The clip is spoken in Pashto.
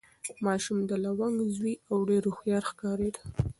ماشوم د لونګ زوی و او ډېر هوښیار ښکارېده.